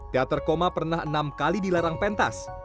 teater koma pernah enam kali dilarang pentas